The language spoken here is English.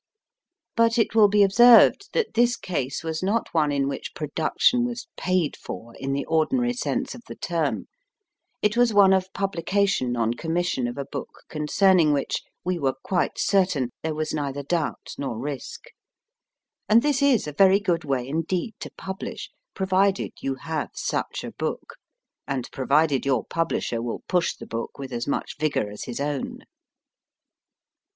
But it will be observed that this case was not one in which production was paid for, in the ordinary sense of the term it was one of publication on commission of a book concerning which, we were quite certain, there was neither doubt nor risk. And this is a very good way indeed to publish, pro vided you have such a book, and provided your publisher will push the book with as much vigour as his own.